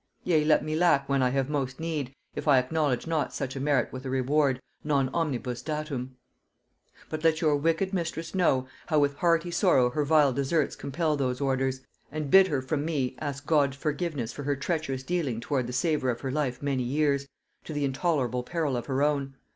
Yea, let me lack when I have most need, if I acknowledge not such a merit with a reward 'non omnibus datum.' "But let your wicked mistress know, how with hearty sorrow her vile deserts compel those orders; and bid her from me ask God forgiveness for her treacherous dealing toward the saver of her life many years, to the intolerable peril of her own.